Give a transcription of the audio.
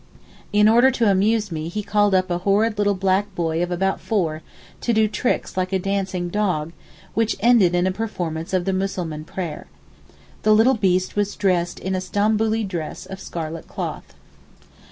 In order to amuse me he called up a horrid little black boy of about four to do tricks like a dancing dog, which ended in a performance of the Mussulman prayer. The little beast was dressed in a Stamboulee dress of scarlet cloth.